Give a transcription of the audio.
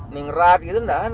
ningrat gitu tidak